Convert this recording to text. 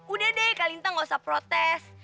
udah deh kak lintang nggak usah protes